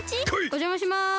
おじゃまします。